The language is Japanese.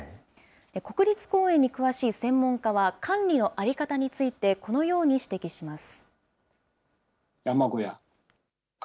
国立公園に詳しい専門家は、管理の在り方についてこのように指摘します。